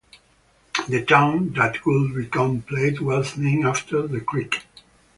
The town that would become Platte was named after the creek.